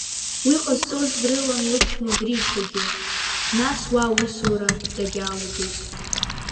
Уи ҟазҵоз дрылан лыԥшәма гришагьы, нас уа аусура дагьалагеит…